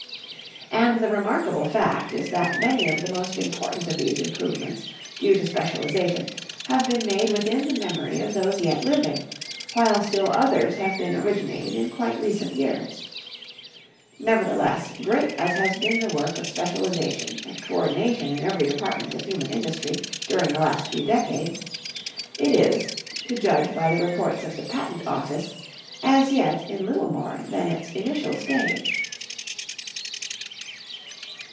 And the remarkable fact is that many of the most important of these improvements due to specialization have been made within the memory of those yet living, while still others have been originated in quite recent years. Nevertheless, great as has been the work of specialization and coördination in every department of human industry during the last few decades, it is, to judge by the reports of the Patent Office, as yet in little more than its initial stage.